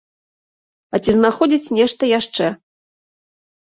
А ці знаходзяць нешта яшчэ?